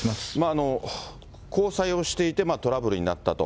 交際をしていてトラブルになったと。